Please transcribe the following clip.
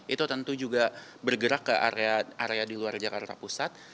itu tentu juga bergerak ke area di luar jakarta pusat